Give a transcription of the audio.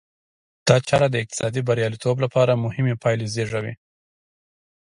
دا چاره د اقتصادي بریالیتوب لپاره مهمې پایلې زېږوي.